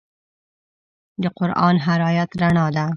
د قرآن هر آیت رڼا ده.